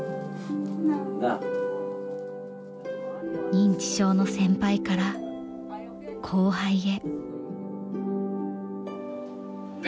認知症の先輩から後輩へ。